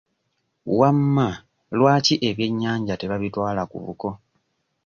Wamma lwaki ebyenyanja tebabitwala ku buko?